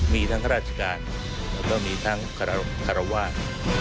มีทั้งข้าราชการแล้วก็มีทั้งคารวาส